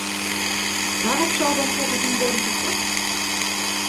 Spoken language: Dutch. Waarop zal dan volgens u worden gekort?